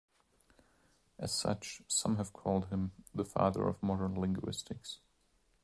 As such, some have called him "the father of modern linguistics".